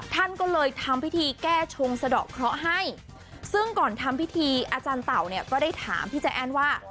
ท่านก็เลยทำพิธีแก้ชงสะดอกเคราะห์ให้ซึ่งก่อนทำพิธีอาจารย์เต่าเนี่ยก็ได้ถามพี่ใจแอ้นว่า